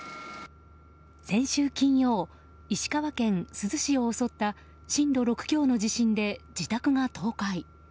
先週金曜石川県珠洲市を襲った震度６強の地震で自宅が倒壊。